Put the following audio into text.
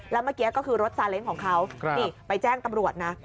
แล้วเมื่อกี้ก็คือรถซาเล้งของเขานี่ไปแจ้งตำรวจนะ